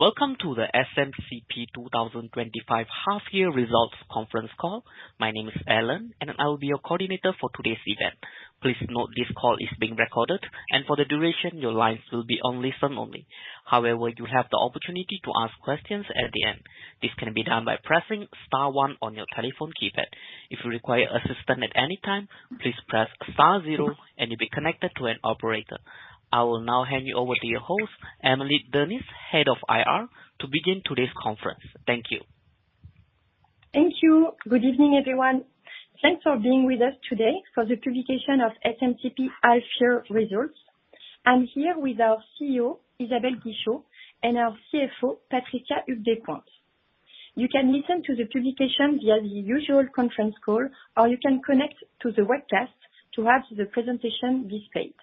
Welcome to the SMCP 2025 half-year results conference call. My name is Alan, and I'll be your coordinator for today's event. Please note this call is being recorded, and for the duration, your lines will be on listen-only. However, you have the opportunity to ask questions at the end. This can be done by pressing star one on your telephone keypad. If you require assistance at any time, please press star zero, and you'll be connected to an operator. I will now hand you over to your host, Amélie Dernis, Head of IR, to begin today's conference. Thank you. Thank you. Good evening, everyone. Thanks for being with us today for the publication of SMCP's half-year results. I'm here with our CEO, Isabelle Guichot, and our CFO, Patricia Huyghues Despointes. You can listen to the publication via the usual conference call, or you can connect to the webcast to have the presentation displayed.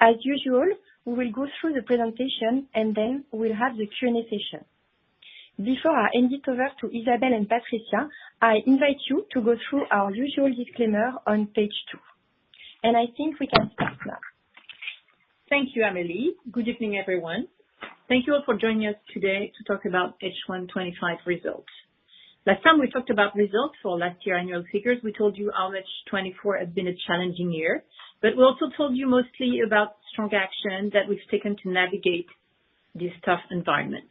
As usual, we will go through the presentation, and then we'll have the Q&A session. Before I hand it over to Isabelle and Patricia, I invite you to go through our usual disclaimer on page two. I think we can start now. Thank you, Amélie. Good evening, everyone. Thank you all for joining us today to talk about H1 2025 results. Last time we talked about results for last year's annual figures, we told you how 2024 has been a challenging year, but we also told you mostly about strong actions that we've taken to navigate this tough environment.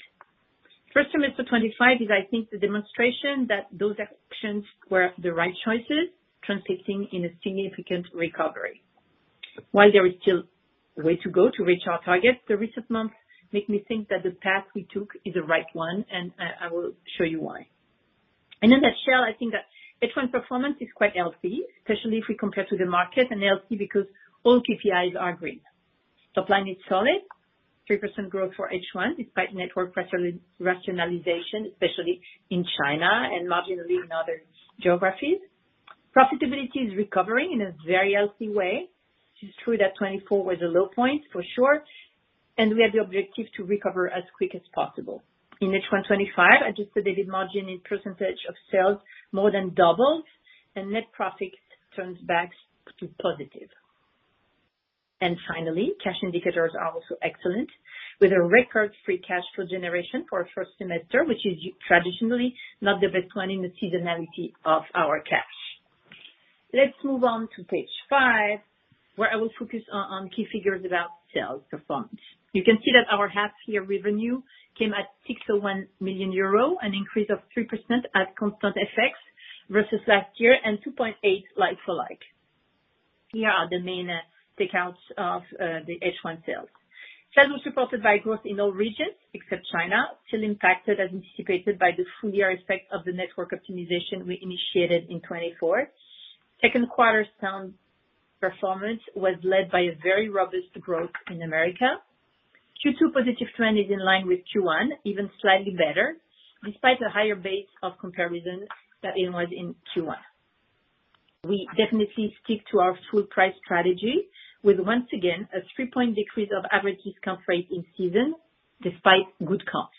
First from H1 2025, I think the demonstration that those actions were the right choices, translating in a significant recovery. While there is still a way to go to reach our targets, the recent months make me think that the path we took is the right one, and I will show you why. I know that, I think that H1 performance is quite healthy, especially if we compare to the market, and healthy because all KPIs are green. Top line is solid. 3% growth for H1 is quite network rationalization, especially in China and marginally in other geographies. Profitability is recovering in a very healthy way. It's true that 2024 was a low point for sure, and we had the objective to recover as quick as possible. In H1 2025, adjusted EBIT margin in percentage of sales more than doubled, and net profit turns back to positive. Finally, cash indicators are also excellent, with a record free cash flow generation for our first semester, which is traditionally not the best one in the seasonality of our cash. Let's move on to page five, where I will focus on key figures about sales performance. You can see that our half-year revenue came at 601 million euro, an increase of 3% at constant effects versus last year, and 2.8% like-for-like. Here are the main takeouts of the H1 sales. Sales were supported by growth in all regions except China, still impacted as anticipated by the full year effect of the network optimization we initiated in 2024. Second quarter's sound performance was led by a very robust growth in America. Q2 positive trend is in line with Q1, even slightly better, despite a higher base of comparison than it was in Q1. We definitely stick to our full price strategy, with once again a three-point decrease of average discount rate in season, despite good cost.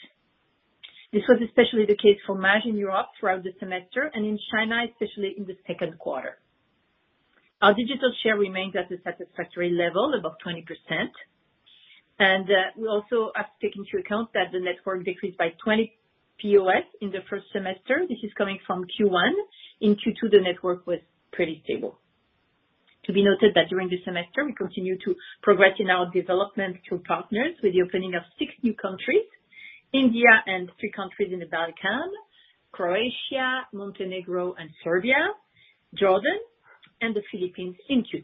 This was especially the case for Maje in Europe throughout the semester and in China, especially in the second quarter. Our digital share remains at a satisfactory level above 20%. We also have to take into account that the network decreased by 20 POS in the first semester. This is coming from Q1. In Q2, the network was pretty stable. To be noted that during the semester, we continue to progress in our development to partners with the opening of six new countries: India and three countries in the Balkans, Croatia, Montenegro, and Serbia, Jordan, and the Philippines in Q2.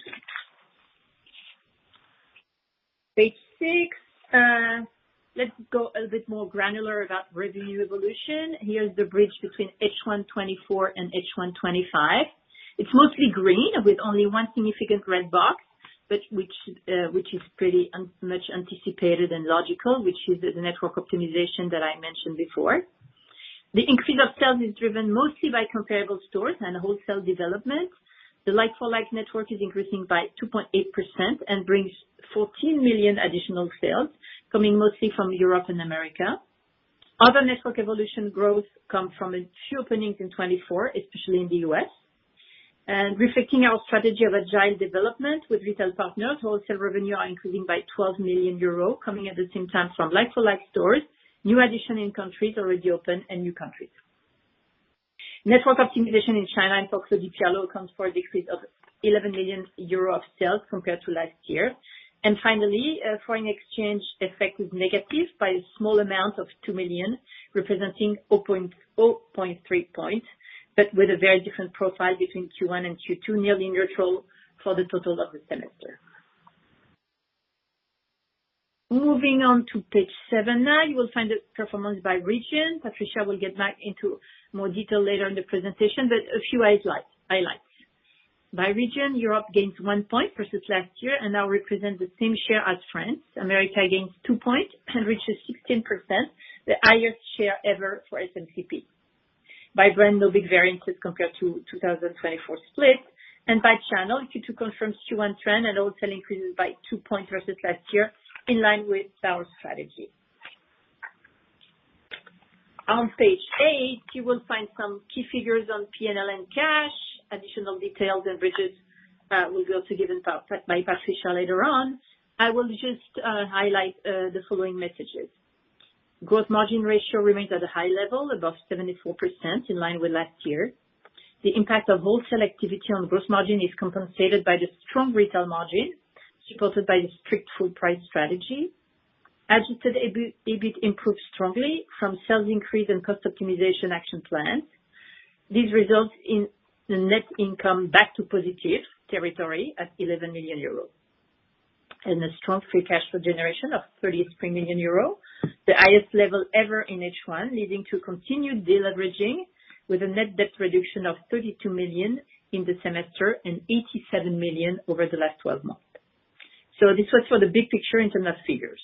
Page six, let's go a little bit more granular about revenue evolution. Here's the bridge between H1 2024 and H1 2025. It's mostly green, with only one significant red box, which is pretty much anticipated and logical, which is the network optimization that I mentioned before. The increase of sales is driven mostly by comparable stores and wholesale development. The like-for-like network is increasing by 2.8% and brings 14 million additional sales, coming mostly from Europe and America. Other network evolution growth comes from a few openings in 2024, especially in the U.S. Reflecting our strategy of agile development with retail partners, wholesale revenue are increasing by 12 million euros, coming at the same time from like-for-like stores, new addition in countries already open, and new countries. Network optimization in China and for Claudie Pierlot accounts for a decrease of 11 million euro of sales compared to last year. Finally, foreign exchange effect is negative by a small amount of 2 million, representing 0.3 point, but with a very different profile between Q1 and Q2, nearly neutral for the total of the semester. Moving on to page seven now, you will find the performance by region. Patricia will get back into more detail later in the presentation, but a few highlights. By region, Europe gains one point versus last year, and now represents the same share as France. America gains two points and reaches 16%, the highest share ever for SMCP. By brand, no big variances compared to 2024 split. By channel, Q2 confirms Q1 trend and all sell increases by two points versus last year, in line with our strategy. On page eight, you will find some key figures on P&L and cash. Additional details and widgets will be also given by Patricia later on. I will just highlight the following messages. Gross margin ratio remains at a high level, above 74%, in line with last year. The impact of wholesale activity on gross margin is compensated by the strong retail margin, supported by the strict full price strategy. As it said, it improves strongly from sales increase and cost optimization action plans. These results in the net income back to positive territory at 11 million euros. A strong free cash flow generation of 30 million euros, the highest level ever in H1, leading to continued deleveraging with a net debt reduction of 32 million in the semester and 87 million over the last 12 months. This was for the big picture in terms of figures.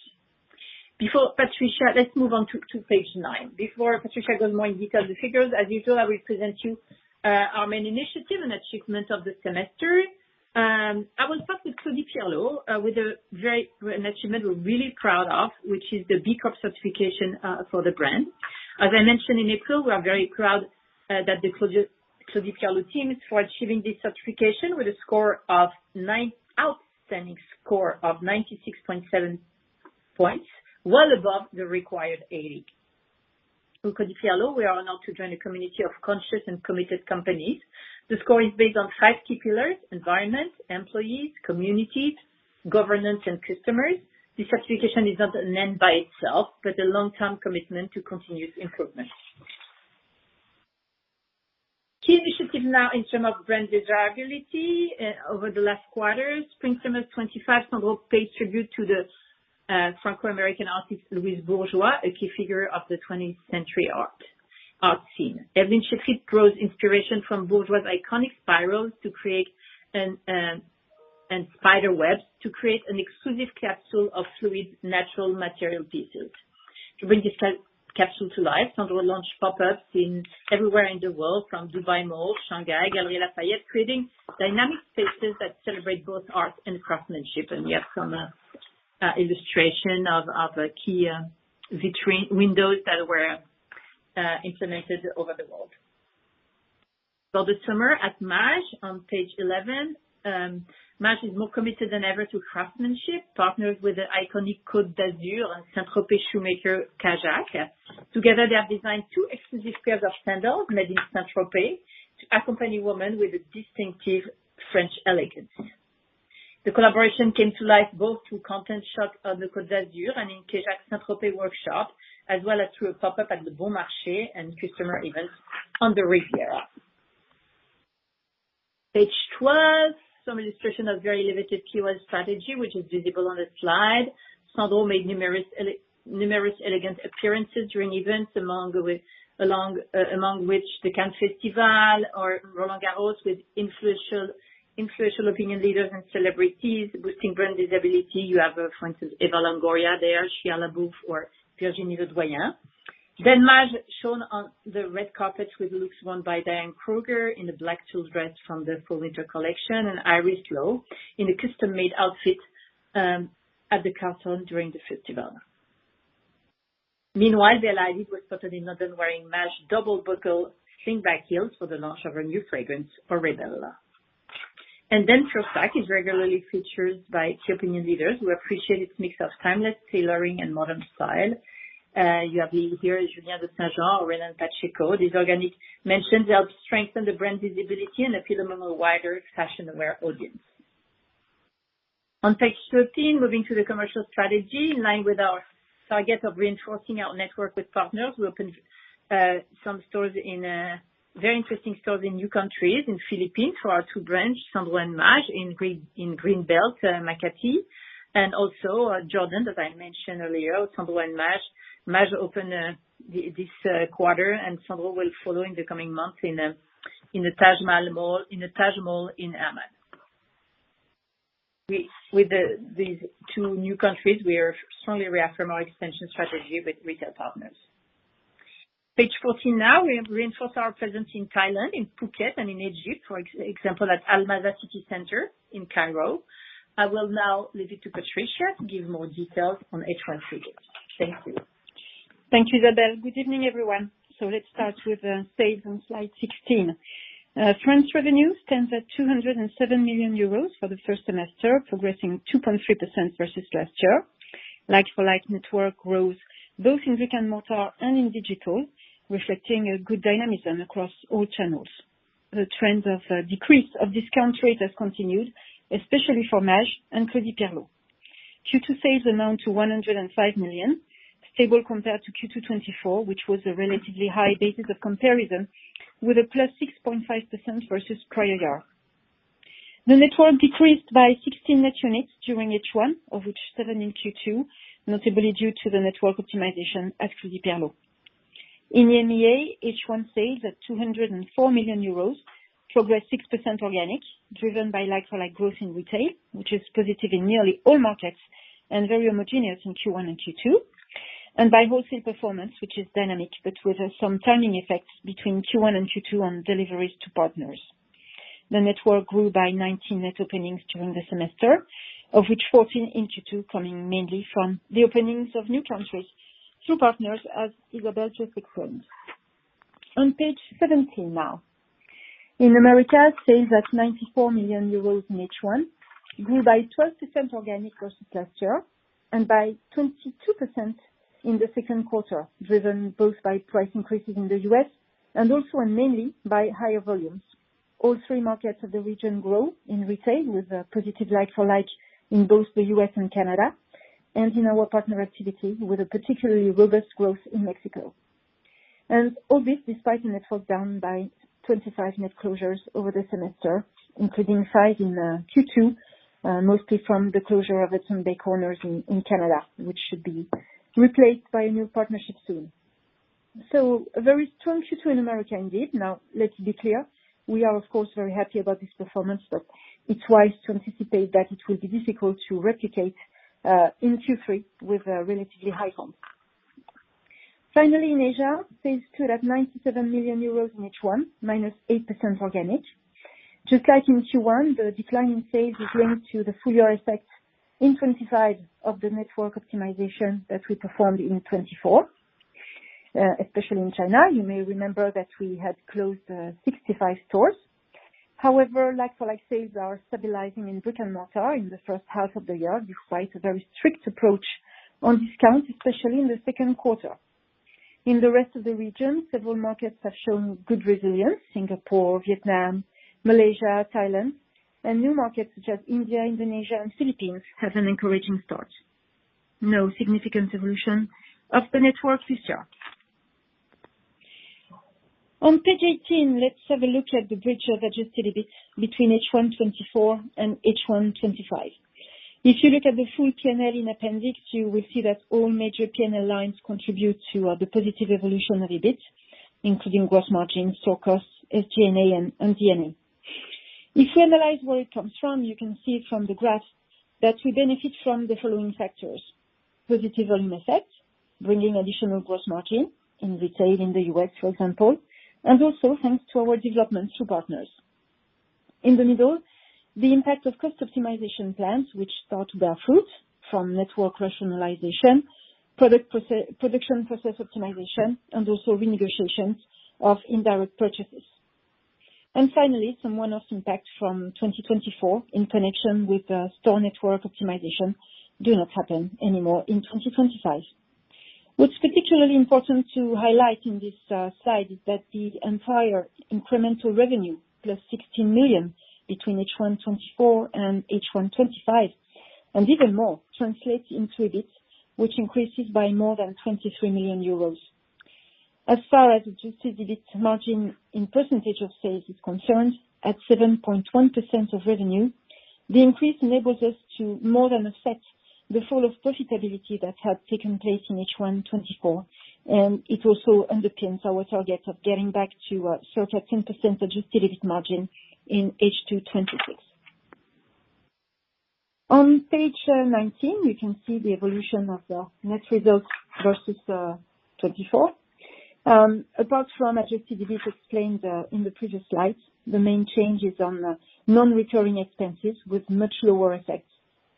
Before Patricia, let's move on to page nine. Before Patricia goes more in detail of the figures, as usual, I will present you our main initiative and achievement of the semester. I will start with Claudie Pierlot, with an achievement we're really proud of, which is the B Corp certification for the brand. As I mentioned in April, we are very proud that the Claudie Pierlot team is for achieving this certification with a score of outstanding score of 96.7 points, well above the required 80. For Claudie Pierlot, we are now to join a community of conscious and committed companies. The score is based on five key pillars: environment, employees, communities, governance, and customers. The certification is not an end by itself, but a long-term commitment to continuous improvement. Key initiative now in terms of brand desirability over the last quarter. Spring-Summer's 2025 Sandro pays tribute to the Franco-American artist Louise Bourgeois, a key figure of the 20th-century art scene. Évelyne Chetrite draws inspiration from Bourgeois' iconic spirals and spider webs to create an exclusive capsule of fluid, natural material pieces. To bring this capsule to life, Sandro launched pop-ups everywhere in the world, from Dubai Mall, Shanghai, Galeries Lafayette, creating dynamic spaces that celebrate both art and craftsmanship. We have some illustration of key vitrine windows that were implemented over the world. For the summer at Maje, on page 11, Maje is more committed than ever to craftsmanship, partnered with the iconic Côte d'Azur and Saint-Tropez shoemaker K.Jacques. Together, they have designed two exclusive pairs of sandals made in Saint-Tropez to accompany women with a distinctive French elegance. The collaboration came to life both through content shot on the Côte d'Azur and in K.Jacques Saint-Tropez workshop, as well as through a pop-up at Le Bon Marché and customer events on the Riviera. Page 12, some illustration of very limited keyword strategy, which is visible on the slide. Sandro made numerous elegant appearances during events, among which the Cannes Festival or Roland-Garros, with influential opinion leaders and celebrities boosting brand visibility. You have, for instance, Eva Longoria there, Shia LaBeouf, or Virginie Ledoyen. Then Maje shown on the red carpet with looks worn by Diane Kruger in a black tulle dress from the Fall Winter Collection and Iris Law in a custom-made outfit at the Carlton during the festival. Meanwhile, Bella Hadid was spotted in London wearing Maje's double buckle slingback heels for the launch of her new fragrance, Orebella. Fursac is regularly featured by key opinion leaders who appreciate its mix of timeless tailoring and modern style. You have here Julien de Saint Jean or Renan Pacheco. These organic mentions help strengthen the brand visibility and appeal among a wider fashion-aware audience. On page 13, moving to the commercial strategy, in line with our target of reinforcing our network with partners, we opened some stores in very interesting stores in new countries. In the Philippines for our two brands, Sandro and Maje, in Greenbelt Makati and also Jordan that I mentioned earlier, Sandro and Maje. Maje opened this quarter and Sandro will follow in the coming months in the Taj Mall in Amman. With these two new countries, we are strongly reaffirming our expansion strategy with retail partners. Page 14 now, we reinforce our presence in Thailand, in Phuket, and in Egypt. For example, at Almaza City Center in Cairo. I will now leave it to Patricia to give more details on H1 figures. Thank you. Thank you, Isabelle. Good evening, everyone. Let's start with sales on slide 16. France revenue stands at 207 million euros for the first semester, progressing 2.3% versus last year. Like-for-like network growth both in brick-and-mortar and in digital, reflecting a good dynamism across all channels. The trend of a decrease of discount rates has continued, especially for Maje and Claudie Pierlot. Q2 sales amount to 105 million, stable compared to Q2 2024, which was a relatively high basis of comparison, with a +6.5% versus prior year. The network decreased by 16 net units during H1, of which seven in Q2, notably due to the network optimization at Claudie Pierlot. In the EMEA, H1 sales at 204 million euros progressed 6% organic, driven by like-for-like growth in retail, which is positive in nearly all markets and very homogeneous in Q1 and Q2, and by wholesale performance, which is dynamic, but with some timing effects between Q1 and Q2 on deliveries to partners. The network grew by 19 net openings during the semester, of which 14 in Q2, coming mainly from the openings of new countries through partners, as Isabelle just explained. On page 17 now, in America, sales at 94 million euros in H1 grew by 12% organic versus last year and by 22% in the second quarter, driven both by price increases in the U.S. and also and mainly by higher volumes. All three markets of the region grow in retail, with a positive like-for-like in both the U.S. and Canada and in our partner activity, with a particularly robust growth in Mexico. All this despite a network down by 25 net closures over the semester, including five in Q2, mostly from the closure of Hudson Bay corners in Canada, which should be replaced by a new partnership soon. A very strong Q2 in the America indeed. Now, let's be clear. We are, of course, very happy about this performance, but it's wise to anticipate that it will be difficult to replicate in Q3 with a relatively high comp. Finally, in Asia, sales stood at 97 million euros in H1, minus 8% organic. Just like in Q1, the decline in sales is linked to the full-year effect in 2025 of the network optimization that we performed in 2024, especially in China. You may remember that we had closed 65 stores. However, like-for-like sales are stabilizing in brick-and-mortar in the first half of the year, despite a very strict approach on discounts, especially in the second quarter. In the rest of the region, several markets have shown good resilience: Singapore, Vietnam, Malaysia, Thailand. New markets such as India, Indonesia, and the Philippines have an encouraging start. No significant evolution of the network this year. On page 18, let's have a look at the bridge of adjusted EBIT between H1 2024 and H1 2025. If you look at the full P&L in the appendix, you will see that all major P&L lines contribute to the positive evolution of EBIT, including gross margins, store costs, SG&A, and D&A. If we analyze where it comes from, you can see from the graph that we benefit from the following factors: positive volume effect, bringing additional gross margin in retail in the U.S., for example, and also thanks to our developments through partners. In the middle, the impact of cost optimization plans, which start to bear fruit from network rationalization, product production process optimization, and also renegotiations of indirect purchases. Finally, some one-off impacts from 2024 in connection with the store network optimization do not happen anymore in 2025. What's particularly important to highlight in this slide is that the entire incremental revenue plus 16 million between H1 2024 and H1 2025, and even more, translates into EBIT, which increases by more than 23 million euros. As far as adjusted EBIT margin in percentage of sales is concerned, at 7.1% of revenue, the increase enables us to more than affect the fall of profitability that had taken place in H1 2024, and it also underpins our target of getting back to a shorter 10% adjusted EBIT margin in H2 2026. On page 19, you can see the evolution of the net results versus 2024. Apart from adjusted EBIT explained in the previous slides, the main change is on non-recurring expenses with much lower effects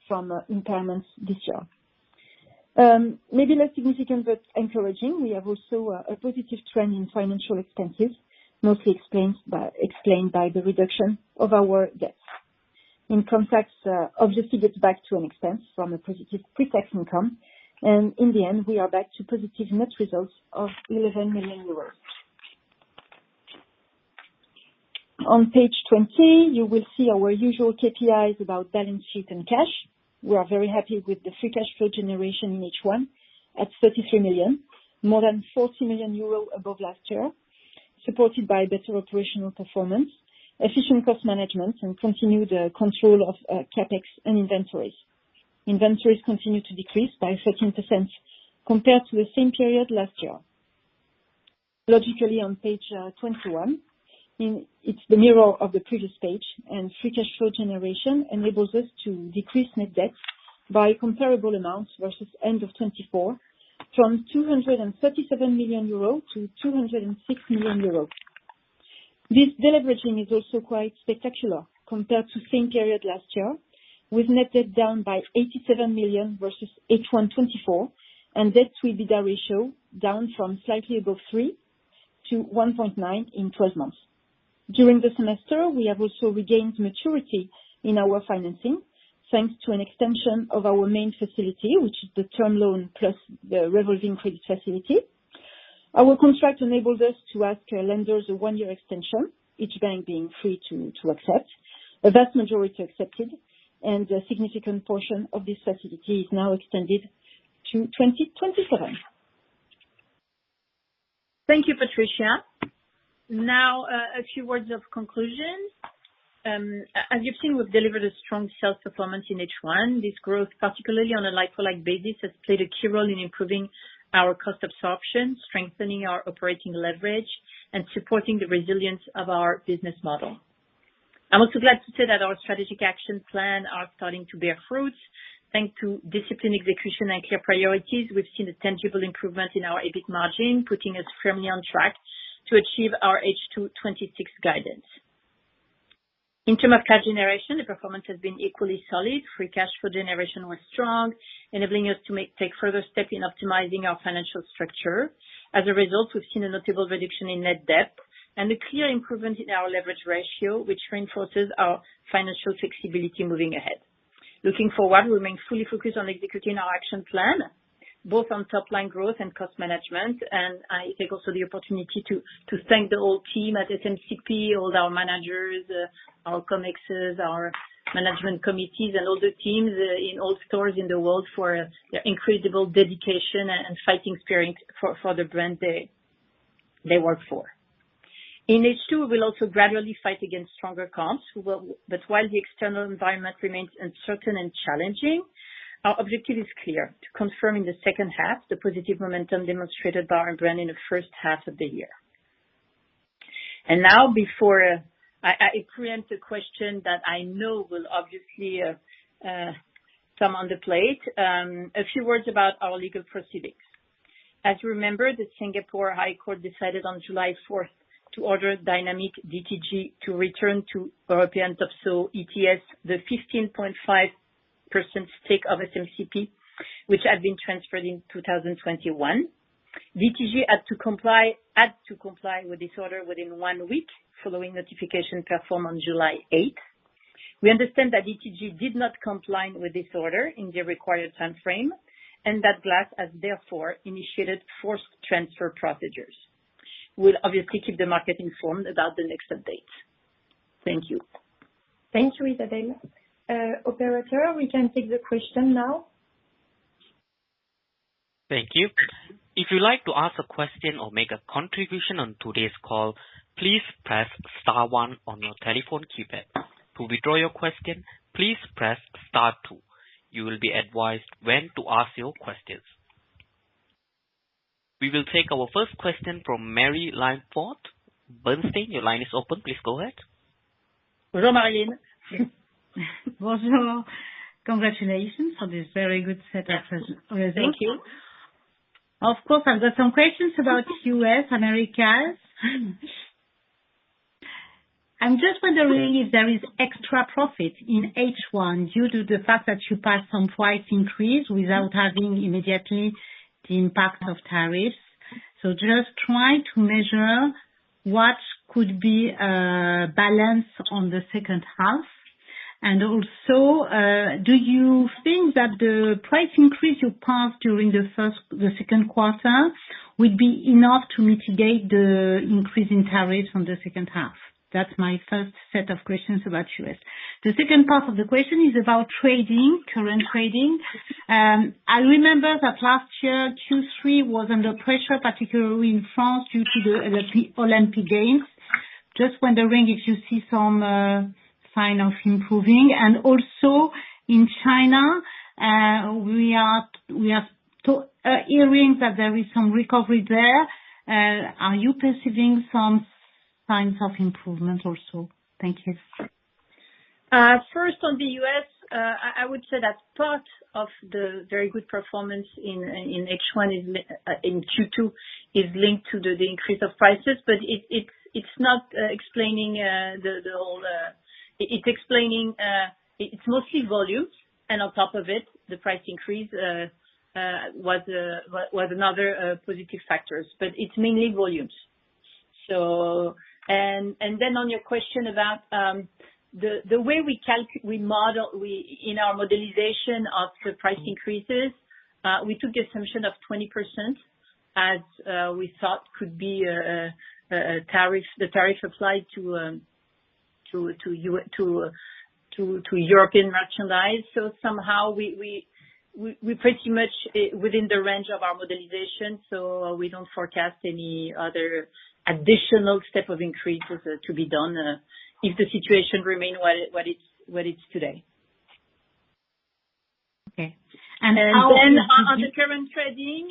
from impairments this year. Maybe less significant, but encouraging, we have also a positive trend in financial expenses, mostly explained by the reduction of our debts. Income tax obviously gets back to an expense from a positive pre-tax income, and in the end, we are back to positive net results of 11 million euros. On page 20, you will see our usual KPIs about balance sheet and cash. We are very happy with the free cash flow generation in H1 at 33 million, more than 40 million euro above last year, supported by better operational performance, efficient cost management, and continued control of CapEx and inventories. Inventories continue to decrease by 14% compared to the same period last year. Logically, on page 21, it's the mirror of the previous page, and free cash flow generation enables us to decrease net debt by comparable amounts versus end of 2024, from 237 million euro to 206 million euro. This deleveraging is also quite spectacular compared to the same period last year, with net debt down by 87 million versus H1 2024 and debt-to-EBITDA ratio down from slightly above 3-1.9 in 12 months. During the semester, we have also regained maturity in our financing, thanks to an extension of our main facility, which is the term loan plus the revolving credit facility. Our contract enables us to ask lenders a one-year extension, each bank being free to accept. A vast majority accepted, and a significant portion of this facility is now extended to 2027. Thank you, Patricia. Now, a few words of conclusion. As you've seen, we've delivered a strong sales performance in H1. This growth, particularly on a like-for-like basis, has played a key role in improving our cost absorption, strengthening our operating leverage, and supporting the resilience of our business model. I'm also glad to say that our strategic action plan is starting to bear fruits. Thanks to disciplined execution and clear priorities, we've seen a tangible improvement in our EBIT margin, putting us firmly on track to achieve our H2 2026 guidance. In terms of cash generation, the performance has been equally solid. Free cash flow generation was strong, enabling us to take further steps in optimizing our financial structure. As a result, we've seen a notable reduction in net debt and a clear improvement in our leverage ratio, which reinforces our financial flexibility moving ahead. Looking forward, we remain fully focused on executing our action plan, both on top-line growth and cost management. I also take the opportunity to thank the whole team at SMCP, all our managers, our ComExes, our management committees, and all the teams in all stores in the world for their incredible dedication and fighting spirit for the brand they work for. In H2, we'll also gradually fight against stronger comps. While the external environment remains uncertain and challenging, our objective is clear: to confirm in the second half the positive momentum demonstrated by our brand in the first half of the year. Now, before I pre-empt a question that I know will obviously come on the plate, a few words about our legal proceedings. As you remember, the Singapore High Court decided on July 4th to order Dynamic DTG to return to European TopSoho ETS, the 15.5% stake of SMCP, which had been transferred in 2021. DTG had to comply with this order within one week following notification performed on July 8th. We understand that DTG did not comply with this order in the required timeframe, and that Glass has therefore initiated forced transfer procedures. We'll obviously keep the market informed about the next updates. Thank you. Thank you, Isabelle. Operator, we can take the question now. Thank you. If you'd like to ask a question or make a contribution on today's call, please press star one on your telephone keypad. To withdraw your question, please press star two. You will be advised when to ask your questions. We will take our first question from Marie-Line Fort, Bernstein. Your line is open. Please go ahead. Bonjour, Marie-Line. Bonjour. Congratulations on this very good set of results. Thank you. Of course, I've got some questions about U.S., America. I'm just wondering if there is extra profit in H1 due to the fact that you passed some price increase without having immediately the impact of tariffs. Just trying to measure what could be a balance on the second half. Also, do you think that the price increase you passed during the first, the second quarter would be enough to mitigate the increase in tariffs from the second half? That's my first set of questions about U.S. The second part of the question is about trading, current trading. I remember that last year, Q3 was under pressure, particularly in France due to the Olympic Games. Just wondering if you see some sign of improving. Also, in China, we are hearing that there is some recovery there. Are you perceiving some signs of improvement also? Thank you. First, on the U.S., I would say that part of the very good performance in H1 in Q2 is linked to the increase of prices, but it's not explaining the whole, it's mostly volumes. On top of it, the price increase was another positive factor, but it's mainly volumes. On your question about the way we model in our modelization of the price increases, we took the assumption of 20% as we thought could be the tariff applied to European merchandise. Somehow, we are pretty much within the range of our modelization. We don't forecast any other additional step of increases to be done if the situation remains what it is today. On the current trading,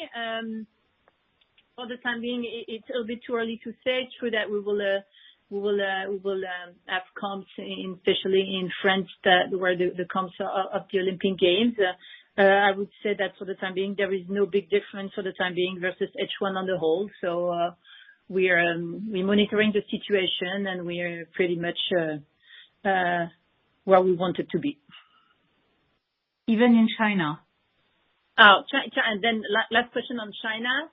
for the time being, it's a little bit too early to say. It's true that we will have comps, especially in France, the comps are of the Olympic Games. I would say that for the time being, there is no big difference for the time being versus H1 on the whole. We are monitoring the situation, and we are pretty much where we wanted to be. Even in China. Oh, and then last question on China.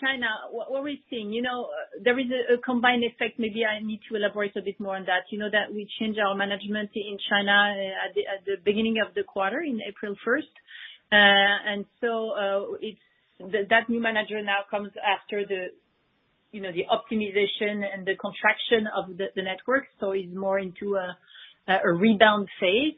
China, what we're seeing, you know, there is a combined effect. Maybe I need to elaborate a bit more on that. You know that we changed our management in China at the beginning of the quarter, on April 1. That new manager now comes after the optimization and the contraction of the network. It's more into a rebound phase.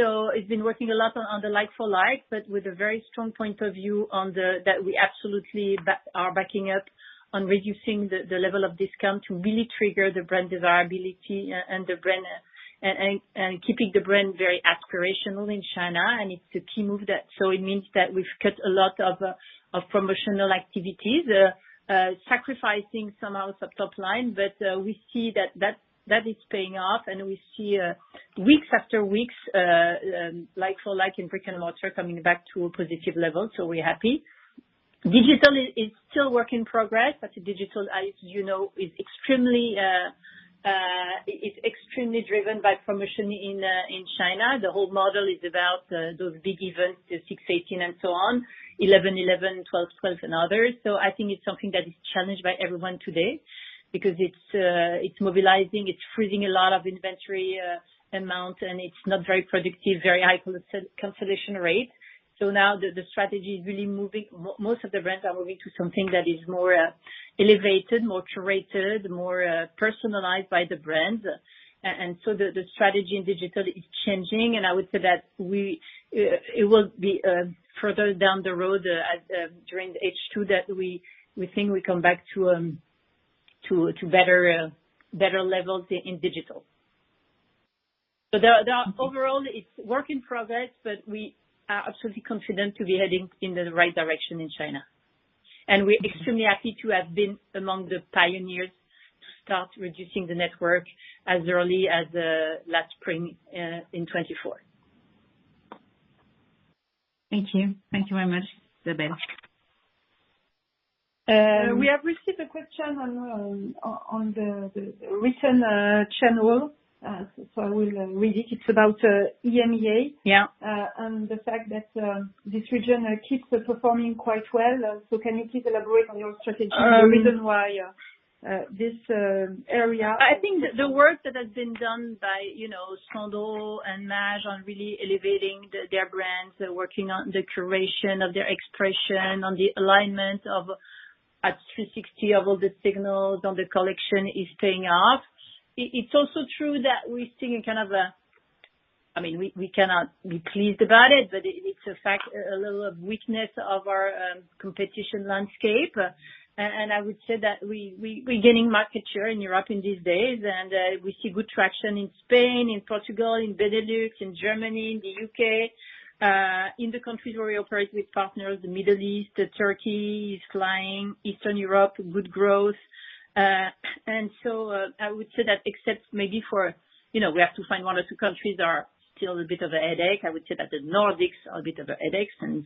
It's been working a lot on the like-for-like, with a very strong point of view that we absolutely are backing up on reducing the level of discount to really trigger the brand desirability and keeping the brand very aspirational in China. It's the key move. It means that we've cut a lot of promotional activities, sacrificing somehow some top line, but we see that is paying off. We see weeks after weeks, like-for-like in brick-and-mortar coming back to a positive level. We're happy. Digital is still a work in progress. I think digital, as you know, is extremely driven by promotion in China. The whole model is about those big events, the 618 and so on, 11/11, 12/12, and others. I think it's something that is challenged by everyone today because it's mobilizing, it's freezing a lot of inventory amount, and it's not very productive, very high cancellation rate. Now the strategy is really moving. Most of the brands are moving to something that is more elevated, more curated, more personalized by the brand. The strategy in digital is changing. I would say that it will be further down the road during the H2 that we think we come back to better levels in digital. Overall, it's a work in progress, but we are absolutely confident to be heading in the right direction in China. We're extremely happy to have been among the pioneers to start reducing the network as early as last spring in 2024. Thank you. Thank you very much, Isabelle. We have received a question on the written channel. I will read it. It's about EMEA and the fact that this region keeps performing quite well. Can you please elaborate on your strategy and the reason why this area? I think the work that has been done by Sandro and Maje on really elevating their brands, working on the curation of their expression, on the alignment of a 360 of all the signals on the collection is paying off. It's also true that we're seeing a kind of a, I mean, we cannot be pleased about it, but it's a fact, a little of weakness of our competition landscape. I would say that we're gaining market share in Europe these days. We see good traction in Spain, in Portugal, in Benelux, in Germany, in the U.K, in the countries where we operate with partners, the Middle East, Turkey is flying, Eastern Europe, good growth. I would say that except maybe for, you know, we have to find one or two countries that are still a bit of a headache. I would say that the Nordics are a bit of a headache and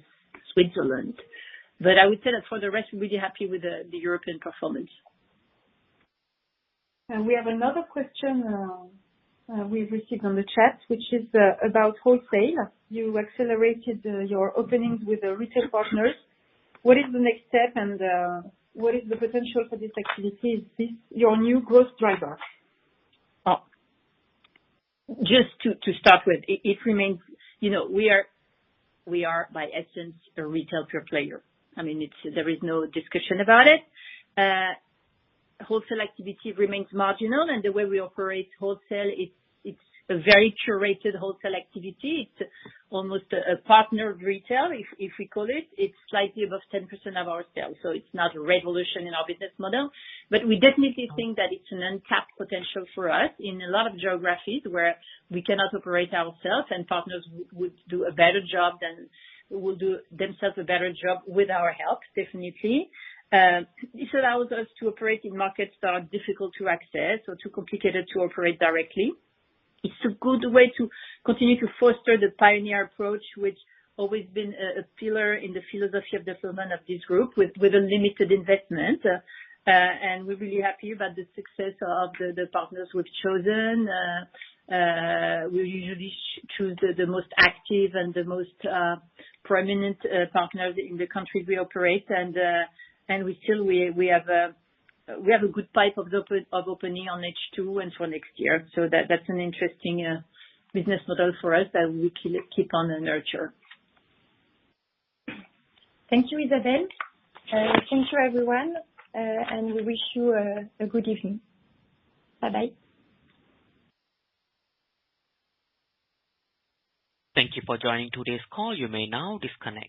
Switzerland. I would say that for the rest, we're really happy with the European performance. We have another question we have received on the chats, which is about wholesale. You accelerated your openings with the retail partners. What is the next step, and what is the potential for this activity? Is this your new growth driver? To start with, it remains, you know, we are, by essence, a retail pure player. I mean, there is no discussion about it. Wholesale activity remains marginal, and the way we operate wholesale, it's a very curated wholesale activity. It's almost a partner retail, if we call it. It's slightly above 10% of our sales, so it's not a revolution in our business model. We definitely think that it's an untapped potential for us in a lot of geographies where we cannot operate ourselves and partners would do a better job than would do themselves a better job with our help, definitely. This allows us to operate in markets that are difficult to access or too complicated to operate directly. It's a good way to continue to foster the pioneer approach, which has always been a pillar in the philosophy of development of this group with unlimited investment. We're really happy about the success of the partners we've chosen. We usually choose the most active and the most prominent partners in the countries we operate. We still have a good pipe of opening on H2 until next year. That's an interesting business model for us that we keep on nurturing. Thank you, Isabelle. Thank you, everyone. We wish you a good evening. Bye-bye. Thank you for joining today's call. You may now disconnect.